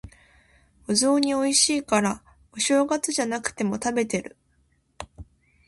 お雑煮美味しいから、お正月じゃなくても食べてる。